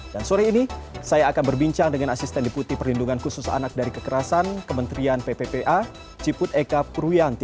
dan sore ini saya akan berbincang dengan asisten diputi perlindungan khusus anak dari kekerasan kementerian pppa ciput eka puryanti